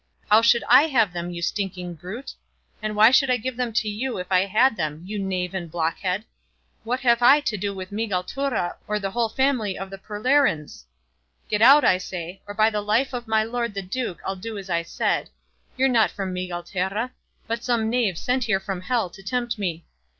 How should I have them, you stinking brute? And why should I give them to you if I had them, you knave and blockhead? What have I to do with Miguelturra or the whole family of the Perlerines? Get out I say, or by the life of my lord the duke I'll do as I said. You're not from Miguelturra, but some knave sent here from hell to tempt me.